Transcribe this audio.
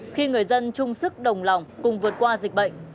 khi người dân chung sức đồng lòng cùng vượt qua dịch bệnh